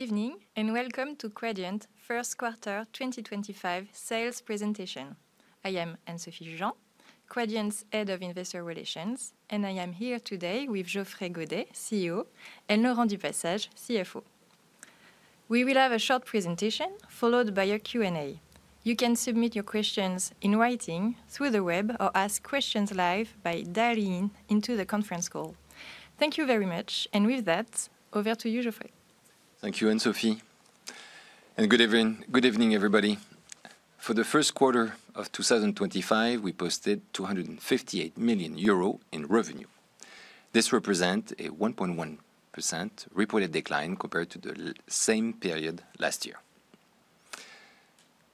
Evening, and welcome to Quadient Q2 2025 sales presentation. I am Anne-Sophie Jugean, Quadient's head of investor relations, and I am here today with Geoffrey Godet, CEO, and Laurent Du Passage, CFO. We will have a short presentation followed by a Q&A. You can submit your questions in writing through the web or ask questions live by dialing into the conference call. Thank you very much, and with that, over to you, Geoffrey. Thank you, Anne-Sophie. Good evening, everybody. For the first quarter of 2025, we posted 258 million euro in revenue. This represents a 1.1% reported decline compared to the same period last year.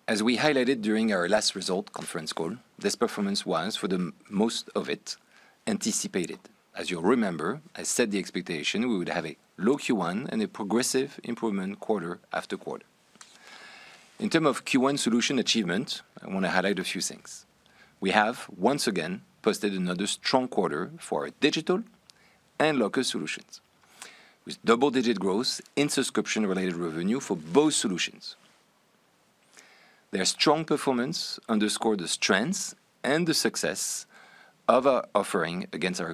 As we highlighted during our last result conference call, this performance was, for the most part, anticipated. As you'll remember, I set the expectation we would have a low Q1 and a progressive improvement quarter after quarter. In terms of Q1 solution achievement, I want to highlight a few things. We have, once again, posted another strong quarter for our digital and low-cost solutions, with double-digit growth in subscription-related revenue for both solutions. Their strong performance underscored the strengths and the success of our offering against our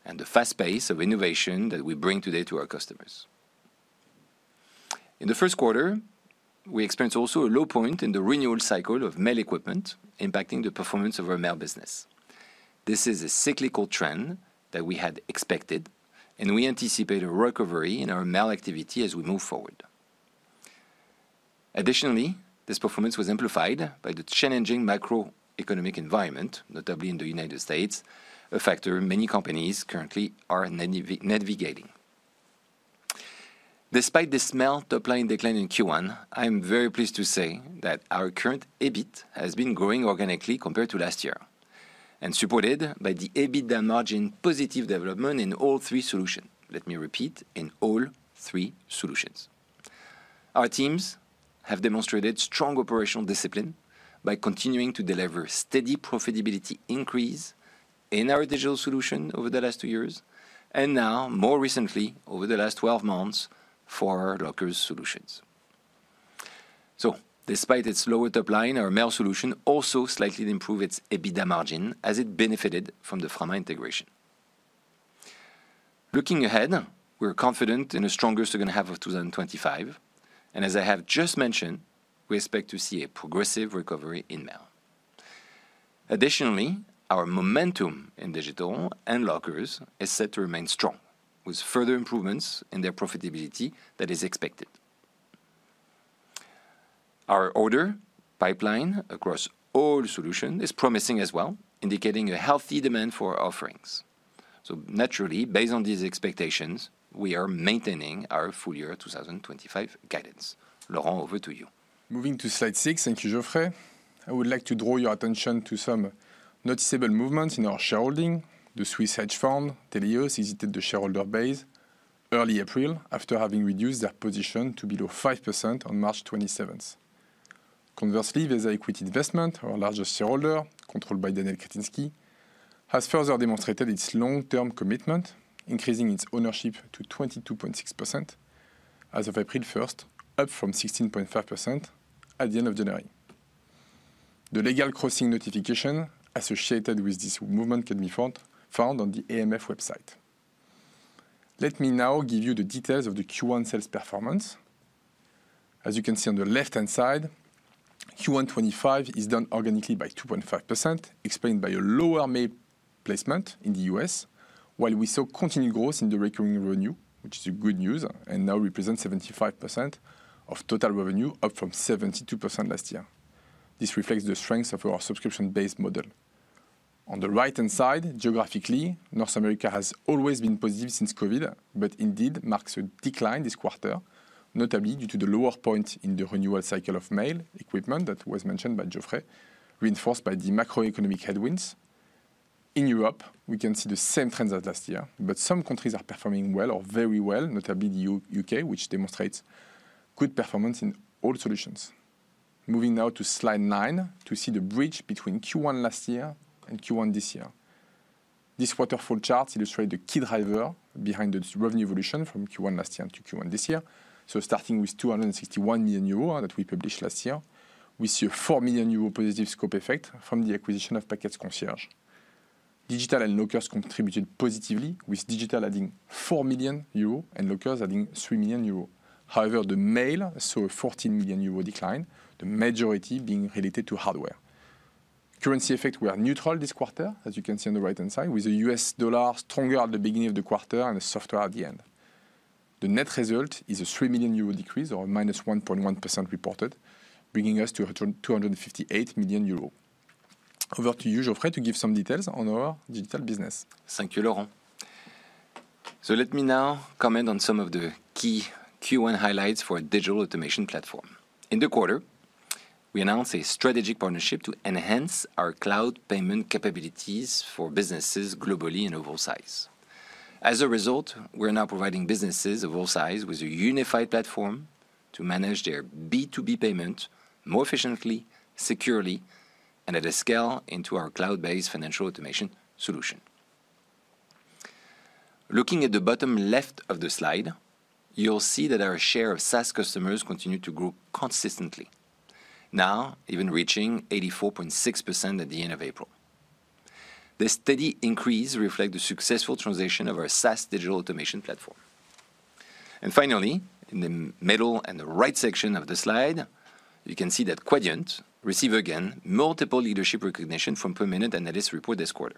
competition, and the fast pace of innovation that we bring today to our customers. In the first quarter, we experienced also a low point in the renewal cycle of mail equipment, impacting the performance of our mail business. This is a cyclical trend that we had expected, and we anticipate a recovery in our mail activity as we move forward. Additionally, this performance was amplified by the challenging macroeconomic environment, notably in the U.S., a factor many companies currently are navigating. Despite this mild top-line decline in Q1, I'm very pleased to say that our current EBIT has been growing organically compared to last year, and supported by the EBITDA margin positive development in all three solutions. Let me repeat: in all three solutions. Our teams have demonstrated strong operational discipline by continuing to deliver steady profitability increase in our digital solution over the last two years, and now, more recently, over the last 12 months for our low-cost solutions. Despite its lower top line, our Mail Solution also slightly improved its EBITDA margin, as it benefited from the Frama integration. Looking ahead, we're confident in a stronger second half of 2025, and as I have just mentioned, we expect to see a progressive recovery in mail. Additionally, our momentum in digital and low-cost is set to remain strong, with further improvements in their profitability that is expected. Our order pipeline across all solutions is promising as well, indicating a healthy demand for our offerings. Naturally, based on these expectations, we are maintaining our full year 2025 guidance. Laurent, over to you. Moving to slide six, thank you, Geoffrey. I would like to draw your attention to some noticeable movements in our shareholding. The Swiss hedge fund, Tellius, exited the shareholder base early April, after having reduced their position to below 5% on March 27. Conversely, Visa Equity Investment, our largest shareholder, controlled by Daniel Kaczynski, has further demonstrated its long-term commitment, increasing its ownership to 22.6% as of April 1, up from 16.5% at the end of January. The legal crossing notification associated with this movement can be found on the AMF website. Let me now give you the details of the Q1 sales performance. As you can see on the left-hand side, Q1 2025 is done organically by 2.5%, explained by a lower mail placement in the U.S., while we saw continued growth in the recurring revenue, which is good news, and now represents 75% of total revenue, up from 72% last year. This reflects the strength of our subscription-based model. On the right-hand side, geographically, North America has always been positive since COVID, but indeed marks a decline this quarter, notably due to the lower point in the renewal cycle of mail equipment that was mentioned by Geoffrey, reinforced by the macroeconomic headwinds. In Europe, we can see the same trends as last year, but some countries are performing well or very well, notably the U.K., which demonstrates good performance in all solutions. Moving now to slide nine to see the bridge between Q1 last year and Q1 this year. This waterfall chart illustrates the key driver behind the revenue evolution from Q1 last year to Q1 this year. Starting with 261 million euro that we published last year, we see a 4 million euro positive scope effect from the acquisition of Package Concierge. Digital and low-cost contributed positively, with digital adding 4 million euro and low-cost adding 3 million euro. However, the mail saw a 14 million euro decline, the majority being related to hardware. Currency effects were neutral this quarter, as you can see on the right-hand side, with the US dollar stronger at the beginning of the quarter and the software at the end. The net result is a 3 million euro decrease or minus 1.1% reported, bringing us to 258 million euro. Over to you, Geoffrey, to give some details on our digital business. Thank you, Laurent. Let me now comment on some of the key Q1 highlights for our Digital Automation Platform. In the quarter, we announced a strategic partnership to enhance our cloud payment capabilities for businesses globally and overseas. As a result, we are now providing businesses of all sizes with a unified platform to manage their B2B payments more efficiently, securely, and at a scale into our cloud-based Financial Automation solution. Looking at the bottom left of the slide, you'll see that our share of SaaS customers continued to grow consistently, now even reaching 84.6% at the end of April. This steady increase reflects the successful transition of our SaaS Digital Automation Platform. Finally, in the middle and the right section of the slide, you can see that Quadient received again multiple leadership recognitions from Independent Analyst Report this quarter.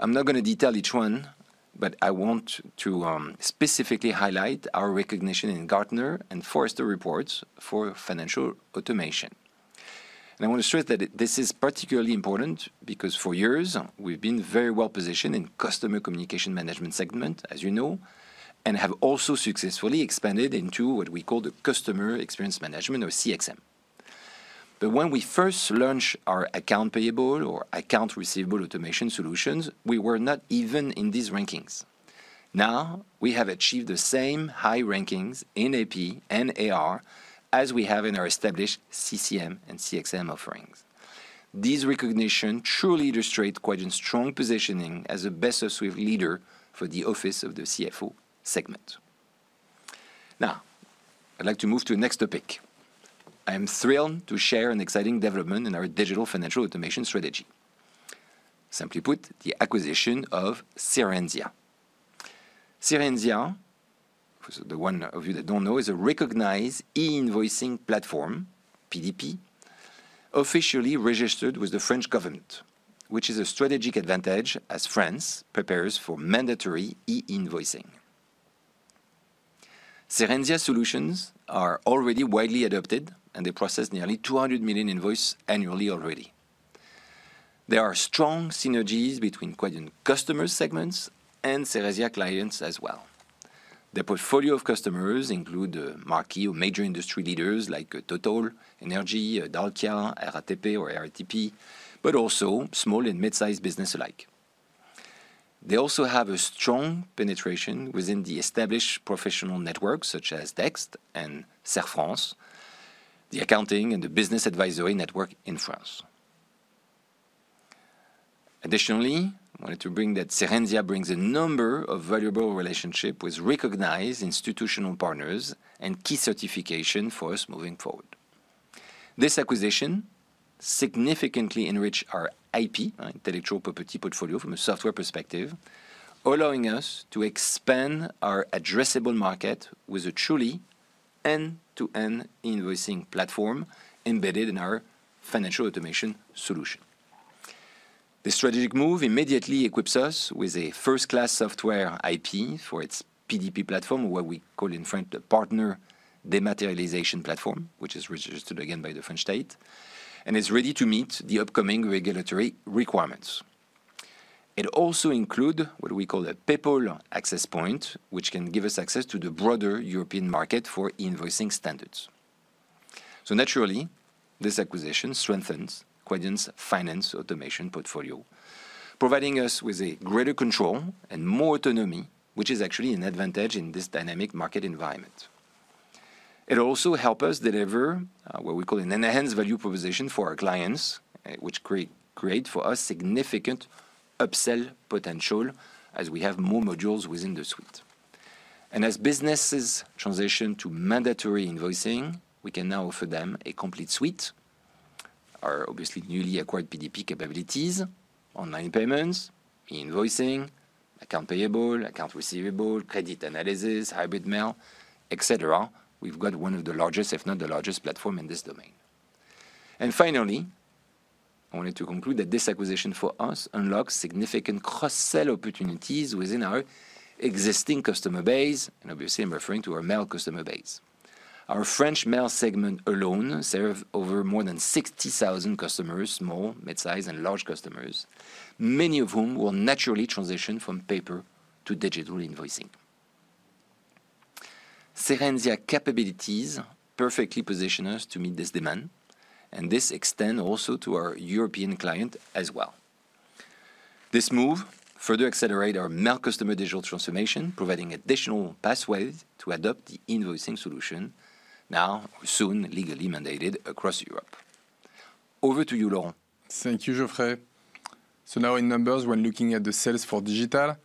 I'm not going to detail each one, but I want to specifically highlight our recognition in Gartner and Forrester reports for Financial Automation. I want to stress that this is particularly important because for years, we've been very well positioned in the customer communication management segment, as you know, and have also successfully expanded into what we call the Customer Experience Management, or CXM. When we first launched our accounts payable or accounts receivable automation solutions, we were not even in these rankings. Now, we have achieved the same high rankings in AP and AR as we have in our established CCM and CXM offerings. These recognitions truly illustrate Quadient's strong positioning as a best-of-suite leader for the office of the CFO segment. Now, I'd like to move to the next topic. I am thrilled to share an exciting development in our digital Financial Automation strategy. Simply put, the acquisition of Cerenzia. Cerenzia, for the one of you that don't know, is a recognized e-invoicing platform, PDP, officially registered with the French government, which is a strategic advantage as France prepares for mandatory e-invoicing. Cerenzia solutions are already widely adopted, and they process nearly 200 million invoices annually already. There are strong synergies between Quadient customers' segments and Cerenzia clients as well. Their portfolio of customers includes the marquee or major industry leaders like TotalEnergies, Dalkia, RATP, or RATP, but also small and mid-sized businesses alike. They also have a strong penetration within the established professional networks such as Dext and Cerfrance, the accounting and the business advisory network in France. Additionally, I wanted to bring that Cerenzia brings a number of valuable relationships with recognized institutional partners and key certifications for us moving forward. This acquisition significantly enriched our IP, our intellectual property portfolio, from a software perspective, allowing us to expand our addressable market with a truly end-to-end invoicing platform embedded in our Financial Automation solution. This strategic move immediately equips us with a first-class software IP for its PDP platform, what we call in French the partner dematerialization platform, which is registered again by the French state, and is ready to meet the upcoming regulatory requirements. It also includes what we call a PEPPOL access point, which can give us access to the broader European market for invoicing standards. Naturally, this acquisition strengthens Quadient's finance automation portfolio, providing us with greater control and more autonomy, which is actually an advantage in this dynamic market environment. It also helps us deliver what we call an enhanced value proposition for our clients, which creates for us significant upsell potential as we have more modules within the suite. As businesses transition to mandatory invoicing, we can now offer them a complete suite: our obviously newly acquired PDP capabilities, online payments, e-invoicing, accounts payable, accounts receivable, credit analysis, hybrid mail, etc. We have got one of the largest, if not the largest, platforms in this domain. Finally, I wanted to conclude that this acquisition for us unlocks significant cross-sell opportunities within our existing customer base, and obviously, I am referring to our mail customer base. Our French mail segment alone serves over 60,000 customers, small, mid-size, and large customers, many of whom will naturally transition from paper to digital invoicing. Cerenzia capabilities perfectly position us to meet this demand, and this extends also to our European clients as well. This move further accelerates our mail customer digital transformation, providing additional pathways to adopt the invoicing solution, now soon legally mandated across Europe. Over to you, Laurent. Thank you, Geoffrey. Now in numbers, when looking at the sales for digital,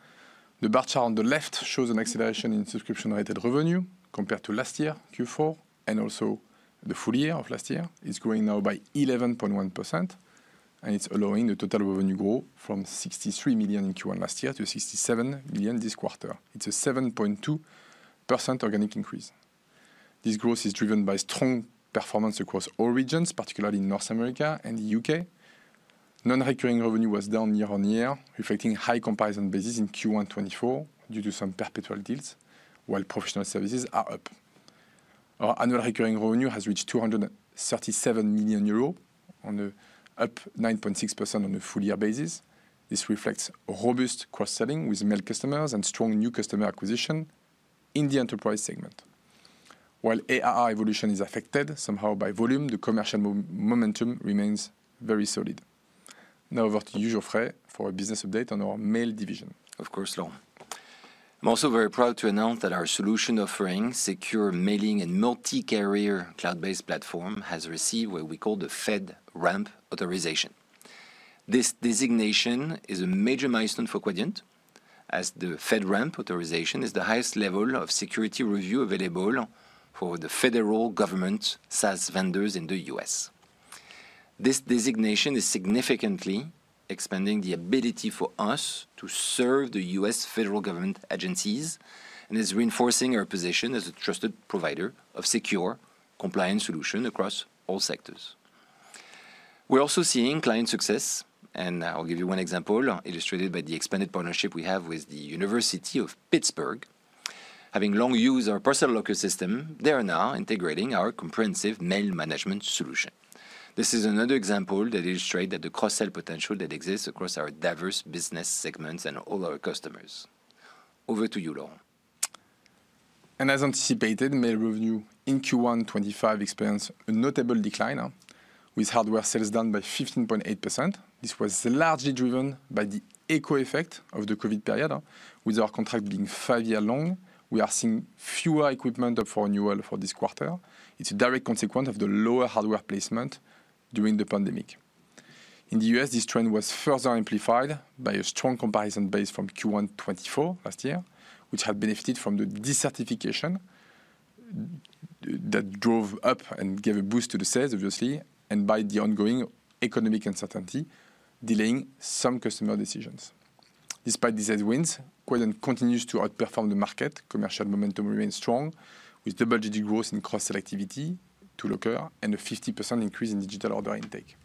the bar chart on the left shows an acceleration in subscription-related revenue compared to last year, Q4, and also the full year of last year. It is growing now by 11.1%, and it is allowing the total revenue growth from 63 million in Q1 last year to 67 million this quarter. It is a 7.2% organic increase. This growth is driven by strong performance across all regions, particularly in North America and the U.K. Non-recurring revenue was down year-on-year, reflecting high comparison bases in Q1 2024 due to some perpetual deals, while professional services are up. Our annual recurring revenue has reached 237 million euros, up 9.6% on a full year basis. This reflects robust cross-selling with mail customers and strong new customer acquisition in the enterprise segment. While ARR evolution is affected somehow by volume, the commercial momentum remains very solid. Now, over to you, Geoffrey, for a business update on our mail division. Of course, Laurent. I'm also very proud to announce that our solution offering Secure Mailing, a multi-carrier cloud-based platform, has received what we call the FedRAMP authorization. This designation is a major milestone for Quadient, as the FedRAMP authorization is the highest level of security review available for the federal government SaaS vendors in the U.S. This designation is significantly expanding the ability for us to serve the U.S. federal government agencies and is reinforcing our position as a trusted provider of secure, compliant solutions across all sectors. We're also seeing client success, and I'll give you one example illustrated by the expanded partnership we have with the University of Pittsburgh. Having long used our parcel locker system, they are now integrating our comprehensive mail management solution. This is another example that illustrates the cross-sell potential that exists across our diverse business segments and all our customers. Over to you, Laurent. As anticipated, mail revenue in Q1 2025 experienced a notable decline, with hardware sales down by 15.8%. This was largely driven by the echo effect of the COVID period. With our contract being five years long, we are seeing fewer equipment up for renewal for this quarter. It is a direct consequence of the lower hardware placement during the pandemic. In the U.S., this trend was further amplified by a strong comparison base from Q1 2024 last year, which had benefited from the decertification that drove up and gave a boost to the sales, obviously, and by the ongoing economic uncertainty, delaying some customer decisions. Despite these headwinds, Quadient continues to outperform the market. Commercial momentum remains strong, with double-digit growth in cross-sell activity to locker and a 50% increase in digital order intake.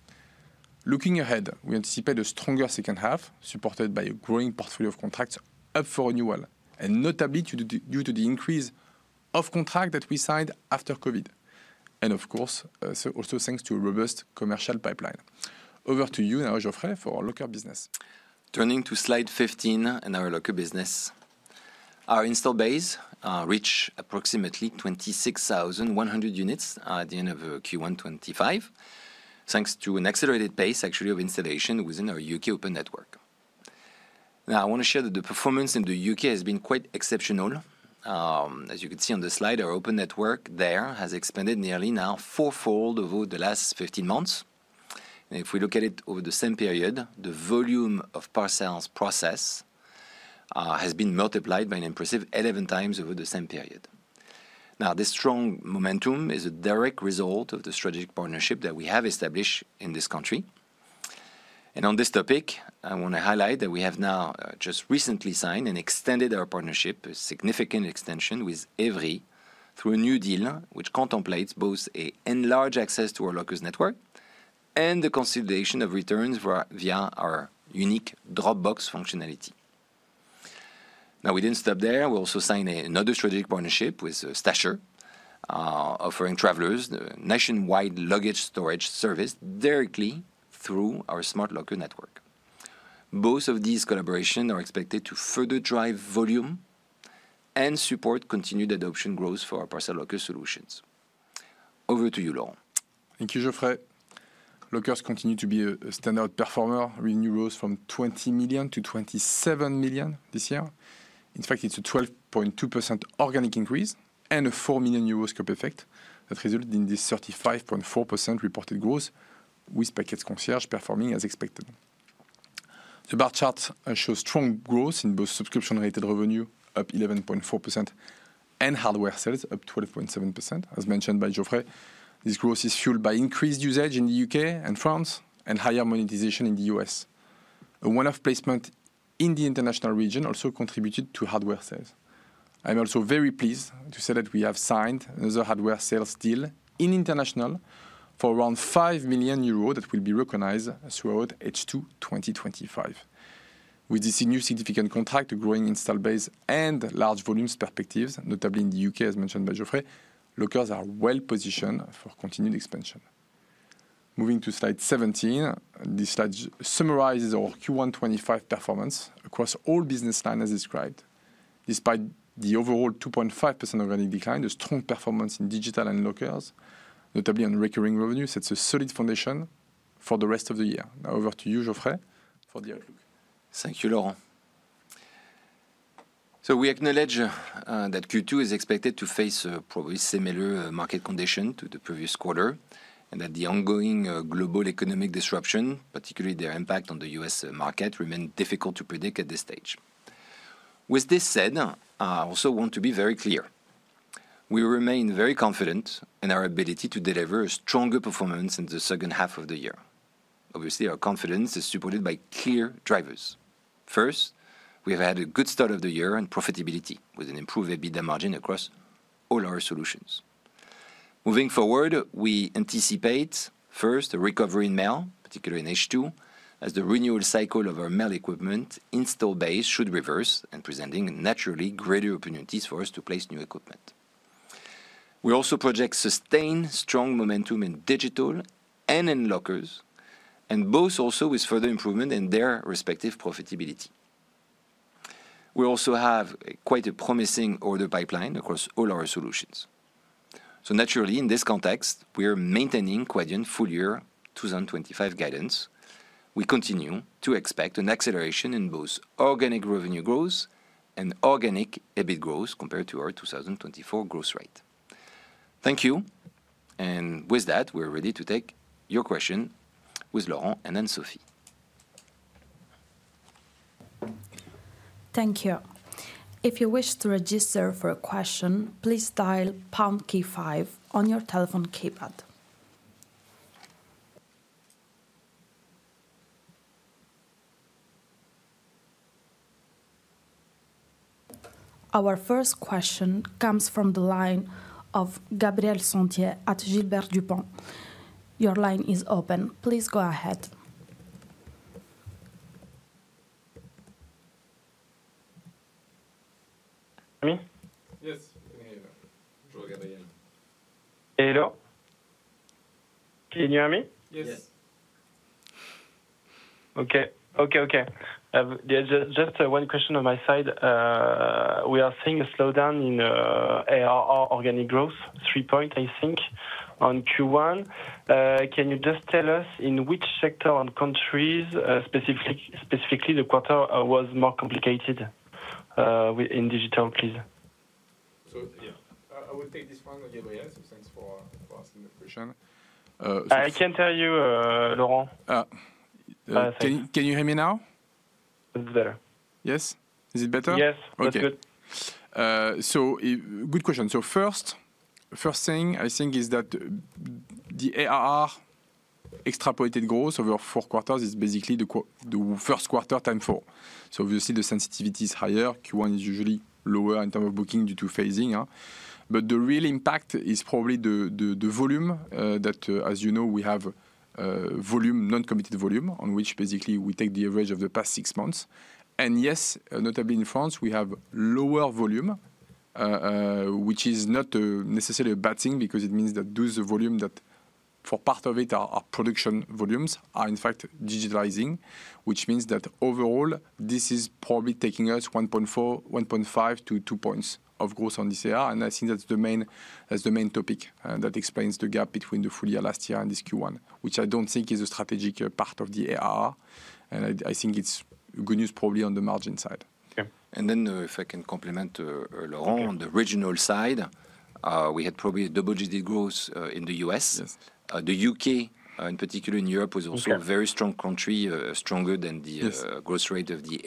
Looking ahead, we anticipate a stronger second half, supported by a growing portfolio of contracts up for renewal, and notably due to the increase of contracts that we signed after COVID, and of course, also thanks to a robust commercial pipeline. Over to you now, Geoffrey, for our locker business. Turning to slide 15 in our locker business, our install base reached approximately 26,100 units at the end of Q1 2025, thanks to an accelerated pace, actually, of installation within our U.K. open network. Now, I want to share that the performance in the U.K. has been quite exceptional. As you can see on the slide, our open network there has expanded nearly now four-fold over the last 15 months. If we look at it over the same period, the volume of parcels processed has been multiplied by an impressive 11 times over the same period. This strong momentum is a direct result of the strategic partnership that we have established in this country. On this topic, I want to highlight that we have now just recently signed and extended our partnership, a significant extension with Evri, through a new deal which contemplates both an enlarged access to our lockers network and the consideration of returns via our unique Drop Box functionality. We did not stop there. We also signed another strategic partnership with Stasher, offering travelers nationwide luggage storage service directly through our smart locker network. Both of these collaborations are expected to further drive volume and support continued adoption growth for our parcel locker solutions. Over to you, Laurent. Thank you, Geoffrey. Lockers continue to be a standout performer, with new growth from 20 million to 27 million this year. In fact, it's a 12.2% organic increase and a 4 million euros scope effect that resulted in this 35.4% reported growth, with Package Concierge performing as expected. The bar chart shows strong growth in both subscription-related revenue, up 11.4%, and hardware sales, up 12.7%, as mentioned by Geoffrey. This growth is fueled by increased usage in the U.K. and France and higher monetization in the U.S. One-off placement in the international region also contributed to hardware sales. I'm also very pleased to say that we have signed another hardware sales deal in international for around 5 million euros that will be recognized throughout H2 2025. With this new significant contract, a growing install base and large volumes perspectives, notably in the U.K., as mentioned by Geoffrey, lockers are well positioned for continued expansion. Moving to slide 17, this slide summarizes our Q1 2025 performance across all business lines as described. Despite the overall 2.5% organic decline, the strong performance in digital and lockers, notably on recurring revenue, sets a solid foundation for the rest of the year. Now, over to you, Geoffrey, for the outlook. Thank you, Laurent. We acknowledge that Q2 is expected to face probably similar market conditions to the previous quarter and that the ongoing global economic disruption, particularly their impact on the U.S. market, remains difficult to predict at this stage. With this said, I also want to be very clear. We remain very confident in our ability to deliver a stronger performance in the second half of the year. Obviously, our confidence is supported by clear drivers. First, we have had a good start of the year in profitability with an improved EBITDA margin across all our solutions. Moving forward, we anticipate, first, a recovery in mail, particularly in H2, as the renewal cycle of our mail equipment install base should reverse, presenting naturally greater opportunities for us to place new equipment. We also project sustained strong momentum in digital and in lockers, and both also with further improvement in their respective profitability. We also have quite a promising order pipeline across all our solutions. Naturally, in this context, we are maintaining Quadient's full year 2025 guidance. We continue to expect an acceleration in both organic revenue growth and organic EBIT growth compared to our 2024 growth rate. Thank you. With that, we're ready to take your question with Laurent and Anne-Sophie. Thank you. If you wish to register for a question, please dial pound key five on your telephone keypad. Our first question comes from the line of Gabriel Santier at Gilbert Dupont. Your line is open. Please go ahead. Can you hear me? Yes, we can hear you. Hello. Can you hear me? Yes. Okay. Okay, okay. Just one question on my side. We are seeing a slowdown in ARR organic growth, three points, I think, on Q1. Can you just tell us in which sector and countries, specifically the quarter, was more complicated in digital, please? I would take this one on the other hand. Thanks for asking the question. I can't hear you, Laurent. Can you hear me now? It's better. Yes? Is it better? Yes. Okay. That's good. Good question. First thing I think is that the ARR extrapolated growth over four quarters is basically the first quarter times four. Obviously, the sensitivity is higher. Q1 is usually lower in terms of booking due to phasing. The real impact is probably the volume that, as you know, we have volume, non-committed volume, on which we take the average of the past six months. Yes, notably in France, we have lower volume, which is not necessarily a bad thing because it means that those volumes that, for part of it, are production volumes, are in fact digitalizing, which means that overall, this is probably taking us 1.4-1.5 to 2 percentage points of growth on this year. I think that's the main topic that explains the gap between the full year last year and this Q1, which I don't think is a strategic part of the ARR. I think it's good news probably on the margin side. Okay. If I can complement Laurent, on the regional side, we had probably double-digit growth in the U.S. The U.K., in particular in Europe, was also a very strong country, stronger than the growth rate of the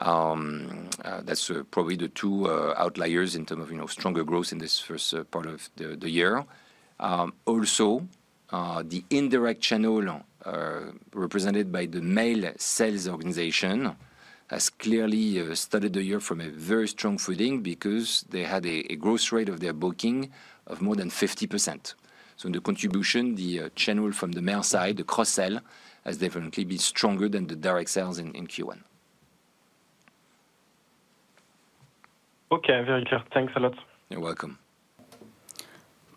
ARR. That is probably the two outliers in terms of stronger growth in this first part of the year. Also, the indirect channel represented by the mail sales organization has clearly started the year from a very strong footing because they had a growth rate of their booking of more than 50%. The contribution, the channel from the mail side, the cross-sale, has definitely been stronger than the direct sales in Q1. Okay, very clear. Thanks a lot. You're welcome.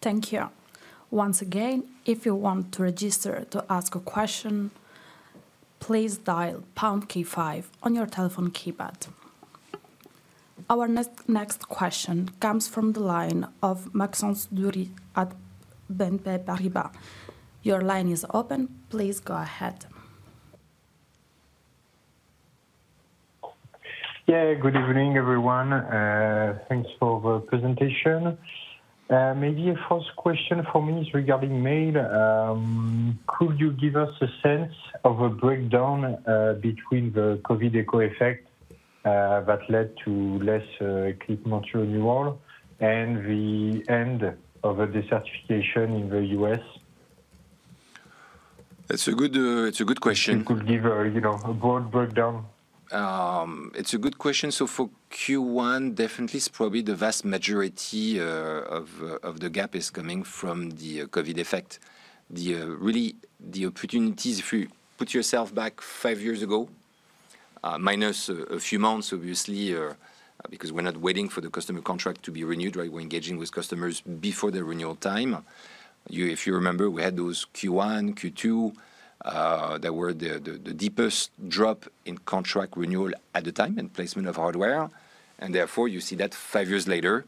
Thank you. Once again, if you want to register to ask a question, please dial pound key five on your telephone keypad. Our next question comes from the line of Maxence Durie at BNP Paribas. Your line is open. Please go ahead. Yeah, good evening, everyone. Thanks for the presentation. Maybe a first question for me is regarding mail. Could you give us a sense of a breakdown between the COVID echo effect that led to less equipment renewal and the end of the decertification in the U.S.? That's a good question. Could you give a broad breakdown? It's a good question. For Q1, definitely, probably the vast majority of the gap is coming from the COVID effect. Really, the opportunities if you put yourself back five years ago, minus a few months, obviously, because we're not waiting for the customer contract to be renewed, right? We're engaging with customers before the renewal time. If you remember, we had those Q1, Q2 that were the deepest drop in contract renewal at the time and placement of hardware. Therefore, you see that five years later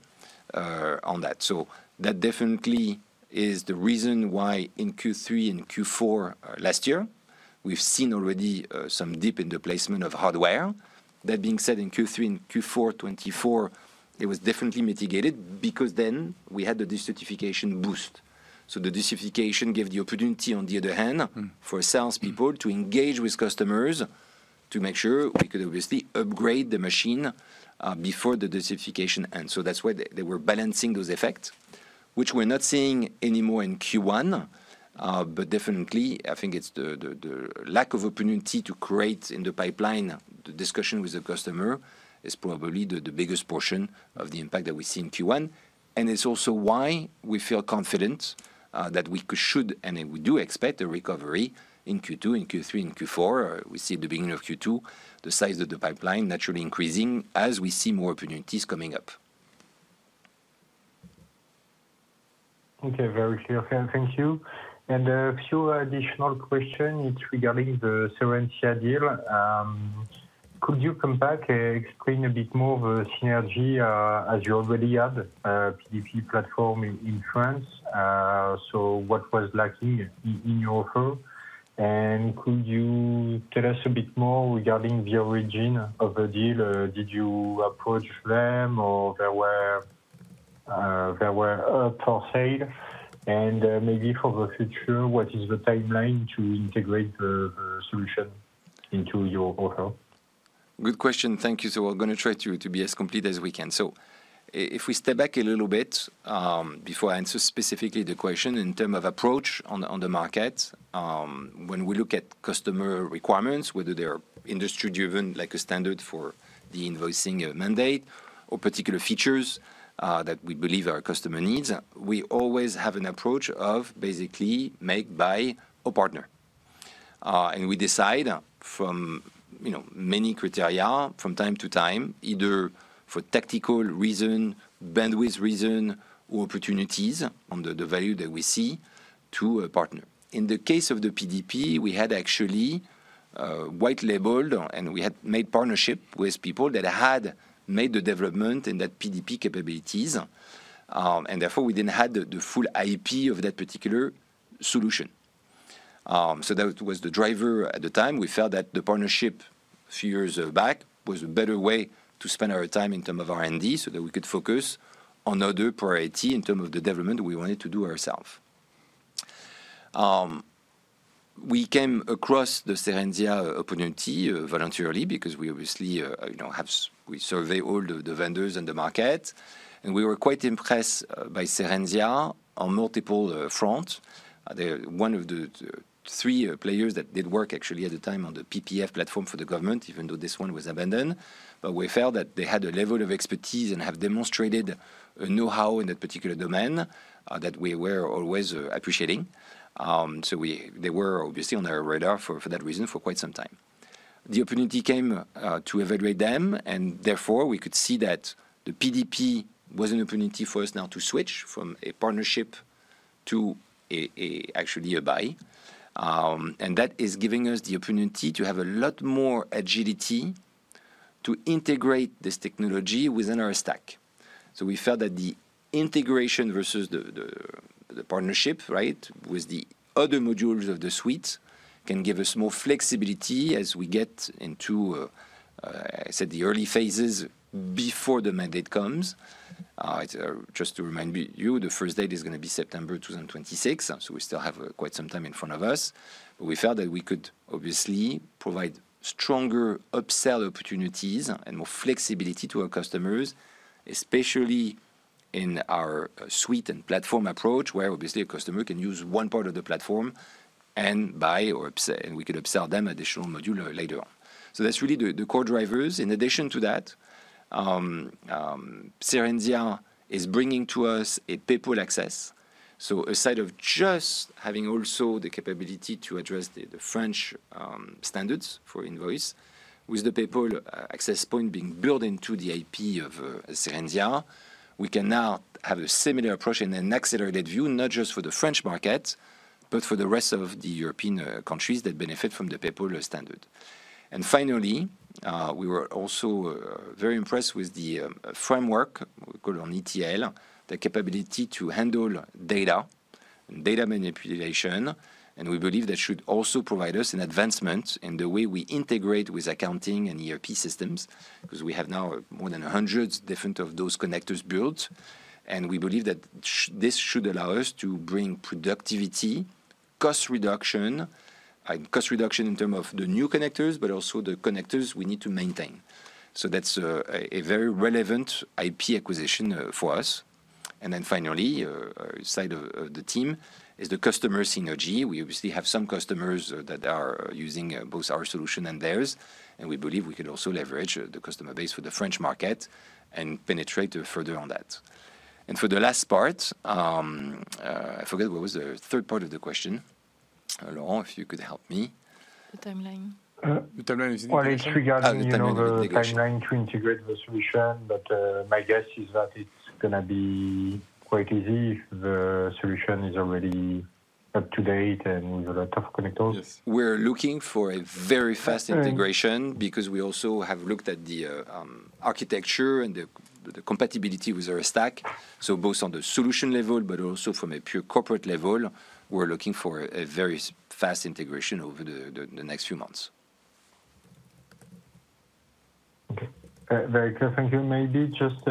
on that. That definitely is the reason why in Q3 and Q4 last year, we've seen already some dip in the placement of hardware. That being said, in Q3 and Q4 2024, it was definitely mitigated because then we had the decertification boost. The decertification gave the opportunity, on the other hand, for salespeople to engage with customers to make sure we could obviously upgrade the machine before the decertification ends. That is why they were balancing those effects, which we are not seeing anymore in Q1. Definitely, I think it is the lack of opportunity to create in the pipeline the discussion with the customer that is probably the biggest portion of the impact that we see in Q1. It is also why we feel confident that we should, and we do expect a recovery in Q2, in Q3, in Q4. We see at the beginning of Q2, the size of the pipeline naturally increasing as we see more opportunities coming up. Okay, very clear. Thank you. A few additional questions. It's regarding the Cerenzia deal. Could you come back and explain a bit more of the synergy, as you already had a PDP platform in France? What was lacking in your offer? Could you tell us a bit more regarding the origin of the deal? Did you approach them or they were up for sale? Maybe for the future, what is the timeline to integrate the solution into your offer? Good question. Thank you. We're going to try to be as complete as we can. If we step back a little bit before I answer specifically the question in terms of approach on the market, when we look at customer requirements, whether they're industry-driven, like a standard for the invoicing mandate or particular features that we believe our customer needs, we always have an approach of basically make, buy, or partner. We decide from many criteria from time to time, either for tactical reason, bandwidth reason, or opportunities on the value that we see to a partner. In the case of the PDP, we had actually white-labeled and we had made partnership with people that had made the development in that PDP capabilities. Therefore, we didn't have the full IP of that particular solution. That was the driver at the time. We felt that the partnership a few years back was a better way to spend our time in terms of R&D so that we could focus on other priorities in terms of the development we wanted to do ourselves. We came across the Cerenzia opportunity voluntarily because we obviously have we surveyed all the vendors in the market. We were quite impressed by Cerenzia on multiple fronts. One of the three players that did work actually at the time on the PDP platform for the government, even though this one was abandoned. We felt that they had a level of expertise and have demonstrated a know-how in that particular domain that we were always appreciating. They were obviously on our radar for that reason for quite some time. The opportunity came to evaluate them. Therefore, we could see that the PDP was an opportunity for us now to switch from a partnership to actually a buy. That is giving us the opportunity to have a lot more agility to integrate this technology within our stack. We felt that the integration versus the partnership, right, with the other modules of the suite can give us more flexibility as we get into, I said, the early phases before the mandate comes. Just to remind you, the first date is going to be September 2026. We still have quite some time in front of us. We felt that we could obviously provide stronger upsell opportunities and more flexibility to our customers, especially in our suite and platform approach, where obviously a customer can use one part of the platform and buy or upsell, and we could upsell them additional module later. That's really the core drivers. In addition to that, Cerenzia is bringing to us a PEPPOL access. Aside of just having also the capability to address the French standards for invoice, with the PEPPOL access point being built into the IP of Cerenzia, we can now have a similar approach in an accelerated view, not just for the French market, but for the rest of the European countries that benefit from the PEPPOL standard. Finally, we were also very impressed with the framework we call on ETL, the capability to handle data and data manipulation. We believe that should also provide us an advancement in the way we integrate with accounting and ERP systems because we have now more than one hundred different of those connectors built. We believe that this should allow us to bring productivity, cost reduction, and cost reduction in terms of the new connectors, but also the connectors we need to maintain. That is a very relevant IP acquisition for us. Finally, aside from the team, is the customer synergy. We obviously have some customers that are using both our solution and theirs. We believe we could also leverage the customer base for the French market and penetrate further on that. For the last part, I forget what was the third part of the question. Laurent, if you could help me. The timeline. It is regarding the timeline to integrate the solution, but my guess is that it is going to be quite easy if the solution is already up to date and with a lot of connectors. We're looking for a very fast integration because we also have looked at the architecture and the compatibility with our stack. Both on the solution level, but also from a pure corporate level, we're looking for a very fast integration over the next few months. Okay. Very clear. Thank you. Maybe just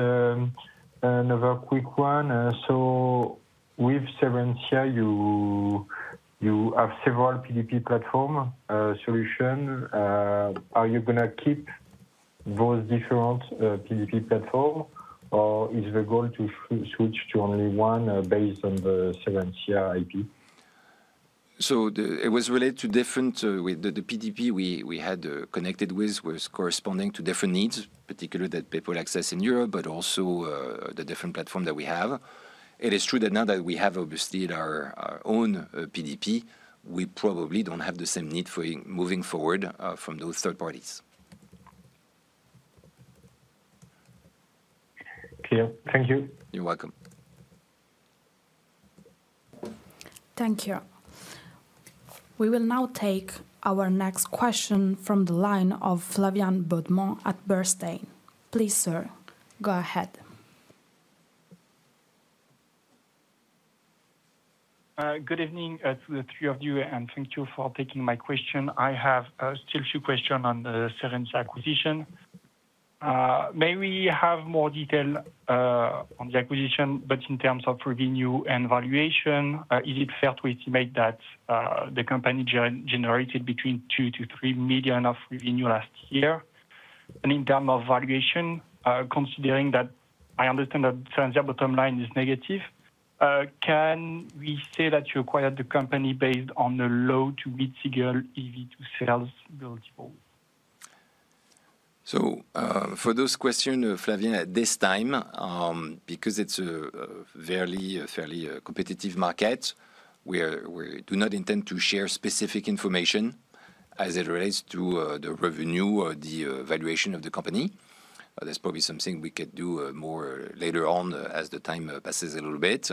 another quick one. With Cerenzia, you have several PDP platform solutions. Are you going to keep those different PDP platforms, or is the goal to switch to only one based on the Cerenzia IP? It was related to different, the PDP we had connected with was corresponding to different needs, particularly that PEPPOL access in Europe, but also the different platform that we have. It is true that now that we have obviously our own PDP, we probably do not have the same need for moving forward from those third parties. Clear. Thank you. You're welcome. Thank you. We will now take our next question from the line of Flavien Baudemont at Bernstein. Please, sir, go ahead. Good evening to the three of you, and thank you for taking my question. I have still two questions on the Cerenzia acquisition. May we have more detail on the acquisition, but in terms of revenue and valuation, is it fair to estimate that the company generated between 2 million and 3 million of revenue last year? In terms of valuation, considering that I understand that Cerenzia bottom line is negative, can we say that you acquired the company based on a low-to-mid-single EV-to-sales multiple? For those questions, Flavien, at this time, because it's a fairly competitive market, we do not intend to share specific information as it relates to the revenue or the valuation of the company. That's probably something we could do more later on as the time passes a little bit.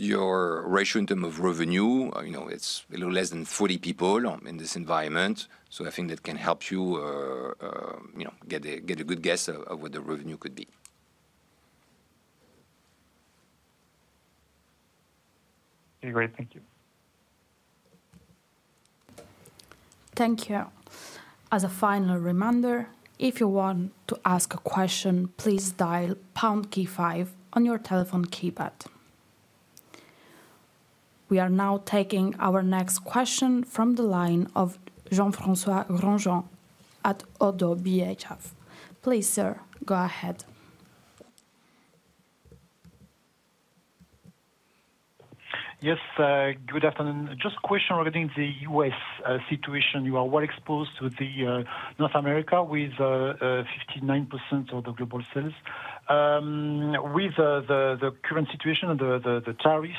Your ratio in terms of revenue, it's a little less than 40 people in this environment. I think that can help you get a good guess of what the revenue could be. Okay, great. Thank you. Thank you. As a final reminder, if you want to ask a question, please dial pound key five on your telephone keypad. We are now taking our next question from the line of Jean-François Granjon at Oddo BHF. Please, sir, go ahead. Yes, good afternoon. Just a question regarding the U.S. situation. You are well exposed to North America with 59% of the global sales. With the current situation and the tariffs,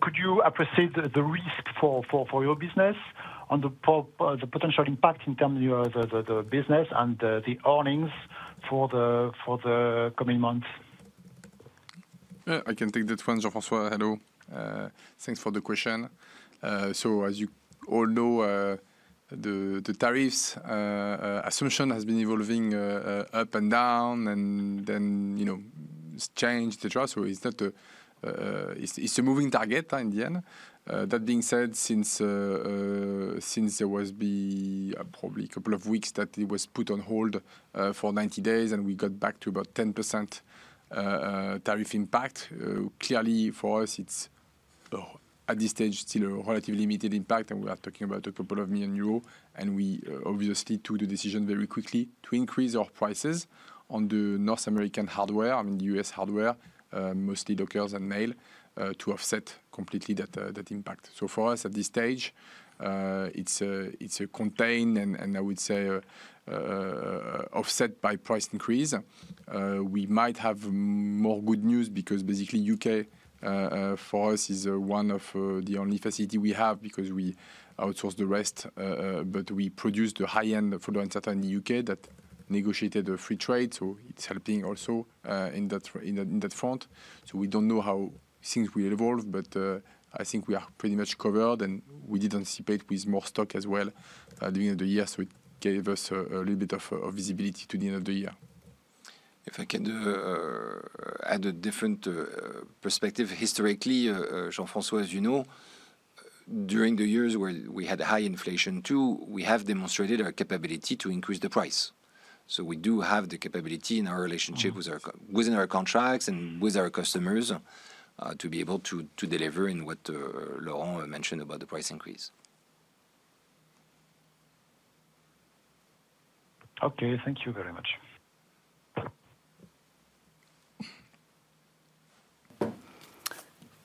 could you appreciate the risk for your business and the potential impact in terms of the business and the earnings for the coming months? I can take that one, Jean-François. Hello. Thanks for the question. As you all know, the tariffs assumption has been evolving up and down and then changed, etc. It is a moving target in the end. That being said, since there was probably a couple of weeks that it was put on hold for 90 days and we got back to about 10% tariff impact, clearly for us, it is at this stage still a relatively limited impact. We are talking about a couple of million EUR. We obviously took the decision very quickly to increase our prices on the North American hardware, I mean, the U.S. hardware, mostly Dockers and mail, to offset completely that impact. For us at this stage, it is contained and I would say offset by price increase. We might have more good news because basically U.K. for us is one of the only facilities we have because we outsource the rest. We produce the high-end products in the U.K. that negotiated a free trade. It is helping also in that front. We do not know how things will evolve, but I think we are pretty much covered. We did anticipate with more stock as well at the end of the year. It gave us a little bit of visibility to the end of the year. If I can add a different perspective, historically, Jean-François Grangeon, during the years where we had high inflation too, we have demonstrated our capability to increase the price. We do have the capability in our relationship within our contracts and with our customers to be able to deliver in what Laurent mentioned about the price increase. Okay, thank you very much.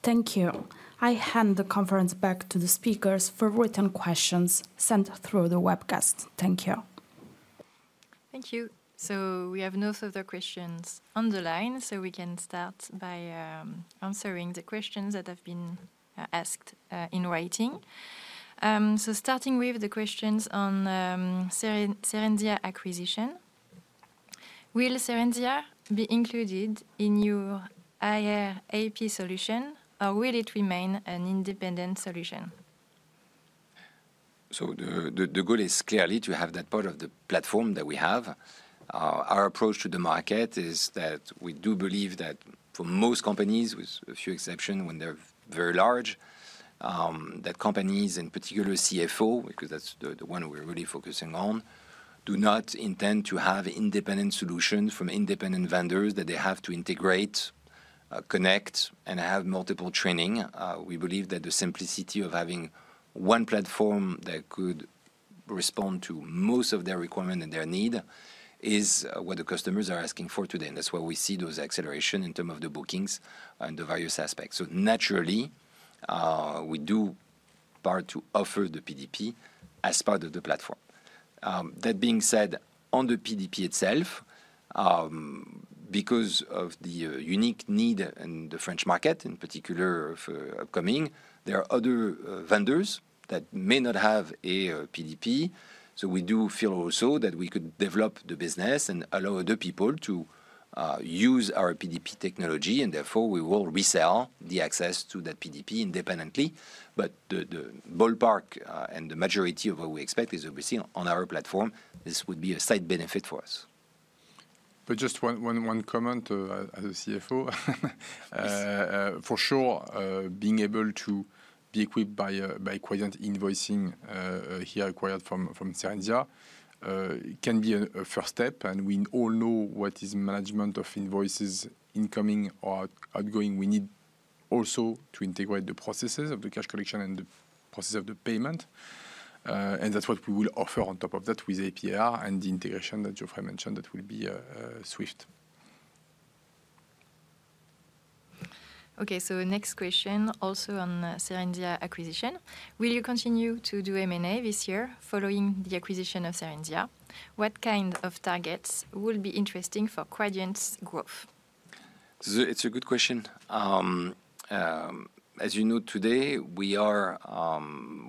Thank you. I hand the conference back to the speakers for written questions sent through the webcast. Thank you. Thank you. We have no further questions on the line. We can start by answering the questions that have been asked in writing. Starting with the questions on Cerenzia acquisition. Will Cerenzia be included in your IRA solution, or will it remain an independent solution? The goal is clearly to have that part of the platform that we have. Our approach to the market is that we do believe that for most companies, with a few exceptions when they're very large, that companies and particularly CFO, because that's the one we're really focusing on, do not intend to have independent solutions from independent vendors that they have to integrate, connect, and have multiple training. We believe that the simplicity of having one platform that could respond to most of their requirements and their needs is what the customers are asking for today. That is why we see those accelerations in terms of the bookings and the various aspects. Naturally, we do part to offer the PDP as part of the platform. That being said, on the PDP itself, because of the unique need in the French market, in particular for upcoming, there are other vendors that may not have a PDP. We do feel also that we could develop the business and allow other people to use our PDP technology. Therefore, we will resell the access to that PDP independently. The ballpark and the majority of what we expect is obviously on our platform. This would be a side benefit for us. Just one comment as a CFO. For sure, being able to be equipped by acquired invoicing here acquired from Cerenzia can be a first step. We all know what is management of invoices incoming or outgoing. We need also to integrate the processes of the cash collection and the process of the payment. That is what we will offer on top of that with APR and the integration that Geoffrey mentioned that will be swift. Okay, so next question also on Cerenzia acquisition. Will you continue to do M&A this year following the acquisition of Cerenzia? What kind of targets will be interesting for Quadient's growth? It's a good question. As you know, today, we are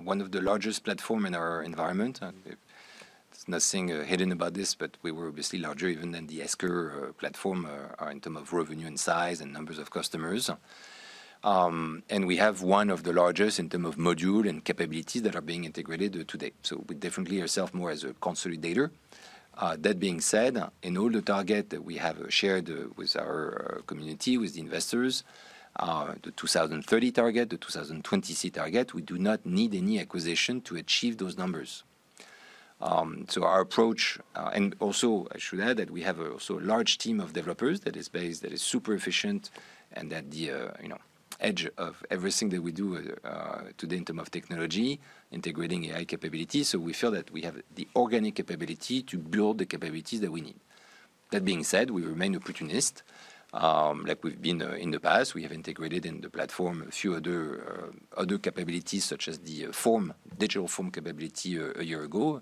one of the largest platforms in our environment. There's nothing hidden about this, but we were obviously larger even than the Esker platform in terms of revenue and size and numbers of customers. We have one of the largest in terms of module and capabilities that are being integrated today. We definitely are self more as a consolidator. That being said, in all the targets that we have shared with our community, with the investors, the 2030 target, the 2020 target, we do not need any acquisition to achieve those numbers. Our approach, and also I should add that we have also a large team of developers that is super efficient and at the edge of everything that we do today in terms of technology, integrating AI capabilities. We feel that we have the organic capability to build the capabilities that we need. That being said, we remain opportunist. Like we've been in the past, we have integrated in the platform a few other capabilities such as the form, digital form capability a year ago.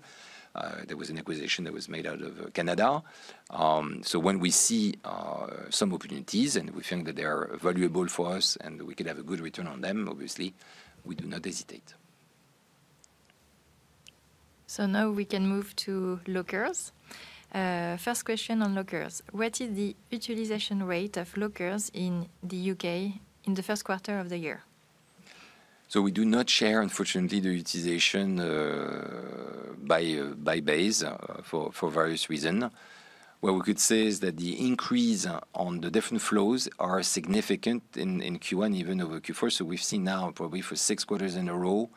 There was an acquisition that was made out of Canada. When we see some opportunities and we think that they are valuable for us and we could have a good return on them, obviously, we do not hesitate. Now we can move to lockers. First question on lockers. What is the utilization rate of lockers in the U.K. in the first quarter of the year? We do not share, unfortunately, the utilization by base for various reasons. What we could say is that the increase on the different flows are significant in Q1, even over Q4. We have seen now probably for six quarters in a row,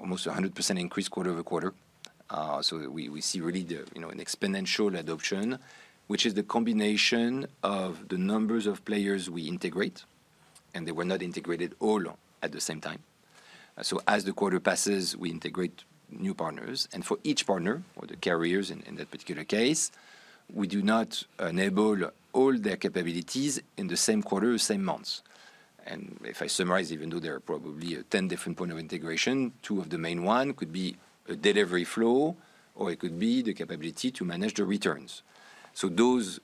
almost 100% increase quarter over quarter. We see really an exponential adoption, which is the combination of the numbers of players we integrate. They were not integrated all at the same time. As the quarter passes, we integrate new partners. For each partner, or the carriers in that particular case, we do not enable all their capabilities in the same quarter, same months. If I summarize, even though there are probably 10 different points of integration, two of the main ones could be a delivery flow, or it could be the capability to manage the returns. Those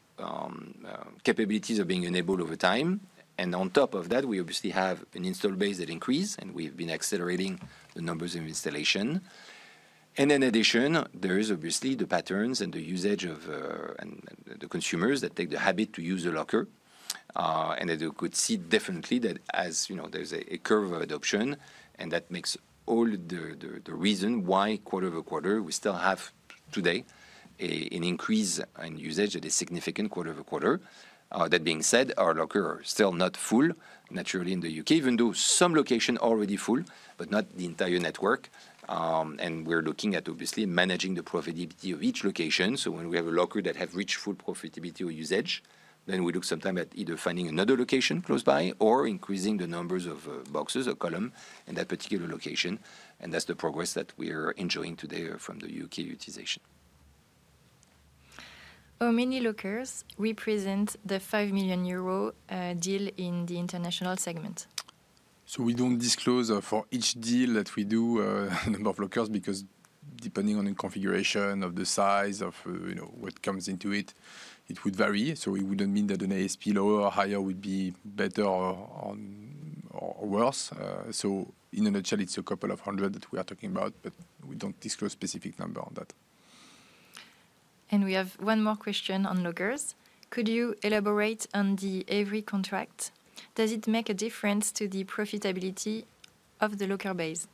capabilities are being enabled over time. On top of that, we obviously have an install base that increased, and we've been accelerating the numbers of installation. In addition, there is obviously the patterns and the usage of the consumers that take the habit to use a locker. As you could see definitely that as there's a curve of adoption, and that makes all the reason why quarter over quarter, we still have today an increase in usage that is significant quarter over quarter. That being said, our locker are still not full, naturally in the U.K., even though some locations are already full, but not the entire network. We're looking at obviously managing the profitability of each location. When we have a locker that has reached full profitability or usage, we look sometimes at either finding another location close by or increasing the numbers of boxes or columns in that particular location. That's the progress that we are enjoying today from the U.K. utilization. How many lockers represent the 5 million euro deal in the international segment? We don't disclose for each deal that we do a number of lockers because depending on the configuration of the size of what comes into it, it would vary. It wouldn't mean that an ASP lower or higher would be better or worse. In a nutshell, it's a couple of hundred that we are talking about, but we don't disclose a specific number on that. We have one more question on lockers. Could you elaborate on the Evri contract? Does it make a difference to the profitability of the locker base?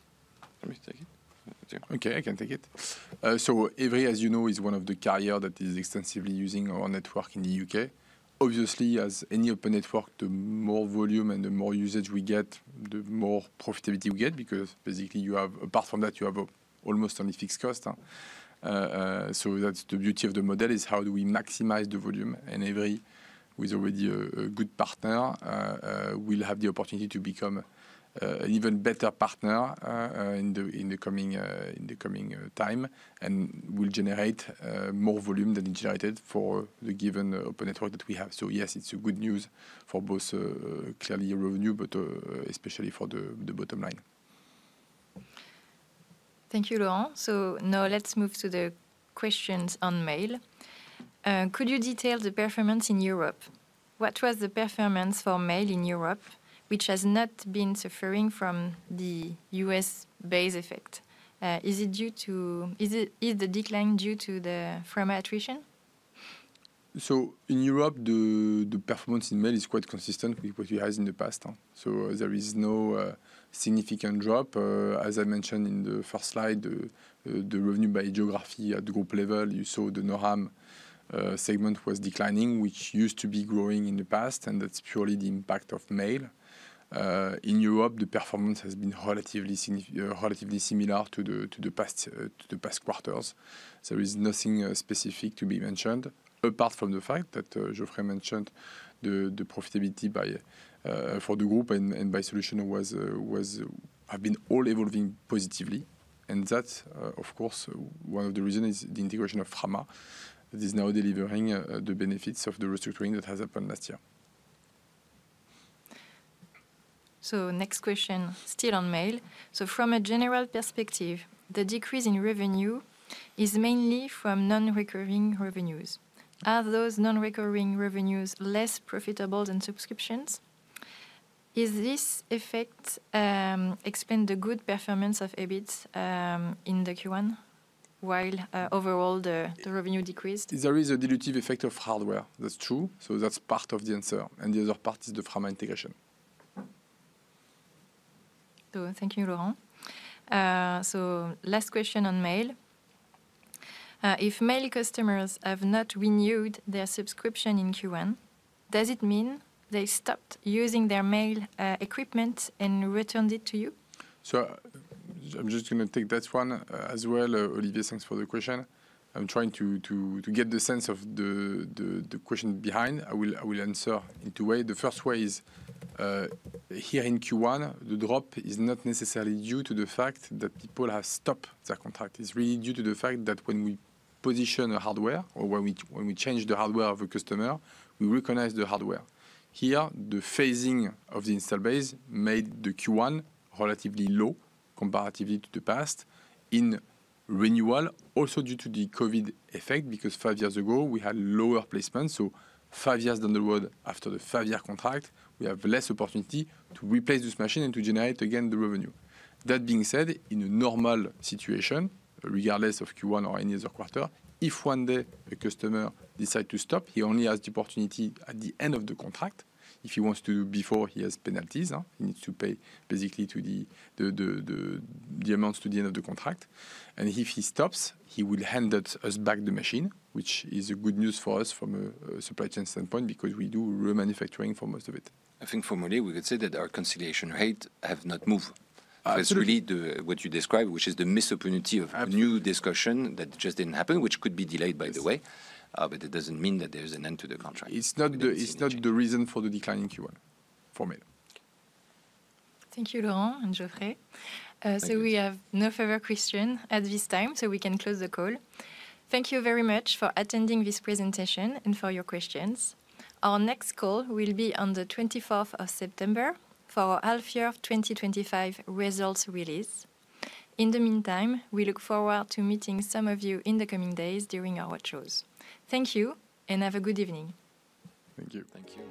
Let me take it. Okay, I can take it. So, Evri, as you know, is one of the carriers that is extensively using our network in the U.K. Obviously, as any open network, the more volume and the more usage we get, the more profitability we get because basically you have, apart from that, you have almost only fixed cost. That is the beauty of the model, is how do we maximize the volume. And Evri, who is already a good partner, will have the opportunity to become an even better partner in the coming time. We will generate more volume than generated for the given open network that we have. Yes, it is good news for both clearly revenue, but especially for the bottom line. Thank you, Laurent. Now let's move to the questions on mail. Could you detail the performance in Europe? What was the performance for mail in Europe, which has not been suffering from the U.S. base effect? Is it due to, is the decline due to the, from attrition? In Europe, the performance in mail is quite consistent with what we had in the past. There is no significant drop. As I mentioned in the first slide, the revenue by geography at the group level, you saw the NORAM segment was declining, which used to be growing in the past, and that is purely the impact of mail. In Europe, the performance has been relatively similar to the past quarters. There is nothing specific to be mentioned apart from the fact that Geoffrey mentioned the profitability for the group and by solution have been all evolving positively. That is, of course, one of the reasons is the integration of Frama, that is now delivering the benefits of the restructuring that has happened last year. Next question still on mail. From a general perspective, the decrease in revenue is mainly from non-recurring revenues. Are those non-recurring revenues less profitable than subscriptions? Is this effect explaining the good performance of EBIT in Q1 while overall the revenue decreased? There is a dilutive effect of hardware. That is true. That is part of the answer. The other part is the Frama integration. Thank you, Laurent. Last question on mail. If mail customers have not renewed their subscription in Q1, does it mean they stopped using their mail equipment and returned it to you? I'm just going to take that one as well. Olivier, thanks for the question. I'm trying to get the sense of the question behind. I will answer in two ways. The first way is here in Q1, the drop is not necessarily due to the fact that people have stopped their contract. It's really due to the fact that when we position the hardware or when we change the hardware of a customer, we recognize the hardware. Here, the phasing of the install base made the Q1 relatively low comparatively to the past in renewal, also due to the COVID effect because five years ago we had lower placements. Five years down the road after the five-year contract, we have less opportunity to replace this machine and to generate again the revenue. That being said, in a normal situation, regardless of Q1 or any other quarter, if one day a customer decides to stop, he only has the opportunity at the end of the contract. If he wants to do before, he has penalties. He needs to pay basically the amounts to the end of the contract. If he stops, he will hand us back the machine, which is good news for us from a supply chain standpoint because we do remanufacturing for most of it. I think formally we could say that our conciliation rate has not moved. Absolutely. That's really what you described, which is the missed opportunity of new discussion that just didn't happen, which could be delayed, by the way. It doesn't mean that there is an end to the contract. It's not the reason for the declining Q1 for me. Thank you, Laurent and Geoffrey. We have no further questions at this time, so we can close the call. Thank you very much for attending this presentation and for your questions. Our next call will be on the 24th of September for our half-year 2025 results release. In the meantime, we look forward to meeting some of you in the coming days during our shows. Thank you and have a good evening. Thank you. Thank you.